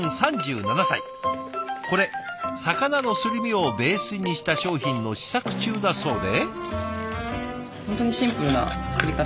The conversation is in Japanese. これ魚のすり身をベースにした商品の試作中だそうで。